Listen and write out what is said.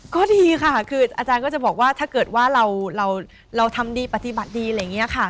ก็ดีค่ะคืออาจารย์ก็จะบอกว่าถ้าเกิดว่าเราทำดีปฏิบัติดีอะไรอย่างนี้ค่ะ